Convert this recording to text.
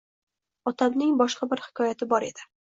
Otamning boshqa bir hikoyati bor edi.